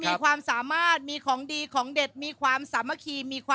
เอาไงนี่วางไม่มีถ้วย